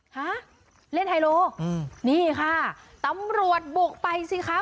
ฮะเล่นไฮโลอืมนี่ค่ะตำรวจบุกไปสิคะ